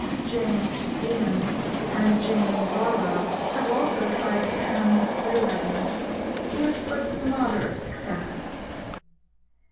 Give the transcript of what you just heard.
James Stephens and Jane Barlow have also tried their hands at playwriting, with but moderate success.